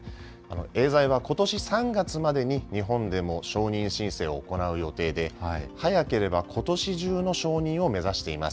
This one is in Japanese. エーザイはことし３月までに日本でも承認申請を行う予定で、早ければ今年中の承認を目指しています。